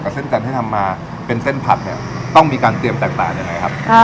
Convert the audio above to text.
เส้นจันทร์ที่ทำมาเป็นเส้นผัดเนี่ยต้องมีการเตรียมแตกต่างยังไงครับ